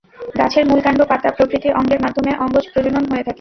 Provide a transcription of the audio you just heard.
গাছের মূল, কাণ্ড, পাতা প্রভৃতি অঙ্গের মাধ্যমে অঙ্গজ প্রজনন হয়ে থাকে।